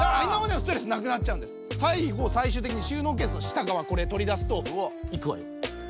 最後最終的にしゅうのうケースの下がわこれ取り出すといくわよ！